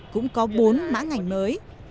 cũng có bốn mã ngành mới